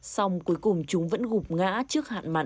xong cuối cùng chúng vẫn gục ngã trước hạn mặn